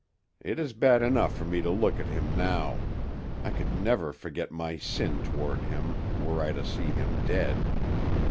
It is bad enough for me to look at him now; I could never forget my sin toward him were I to see him dead.